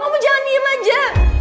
kamu jangan diem aja